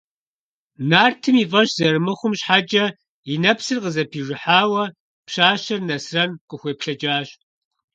Нартым и фӀэщ зэрымыхъум щхьэкӀэ и нэпсыр къызэпижыхьауэ пщащэр Нэсрэн къыхуеплъэкӀащ.